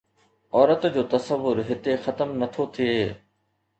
عورت جو تصور هتي ختم نٿو ٿئي.